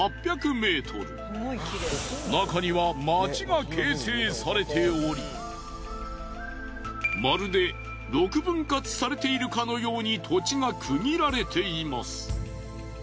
中には街が形成されておりまるで６分割されているかのように土地が区切られています。